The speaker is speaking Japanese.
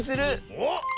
おっ！